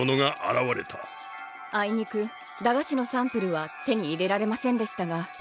あいにく駄菓子のサンプルは手に入れられませんでしたが。